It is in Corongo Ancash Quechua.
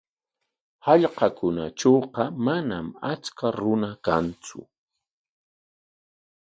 Hallqakunatrawqa manam achka runa kantsu.